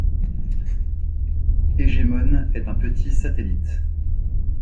Hégémone est un petit satellite.